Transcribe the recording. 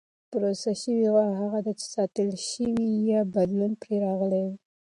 پروسس شوې غوښه هغه ده چې ساتل شوې یا بدلون پرې راغلی وي.